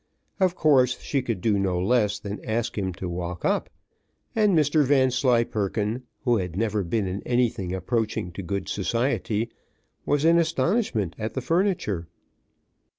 Of course she could do no less than ask him to walk up, and Mr Vanslyperken, who had never been in anything approaching to good society, was in astonishment at the furniture.